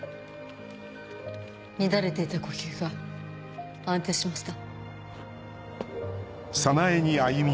乱れていた呼吸が安定しました。